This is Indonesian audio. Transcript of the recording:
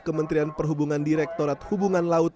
kementerian perhubungan direktorat hubungan laut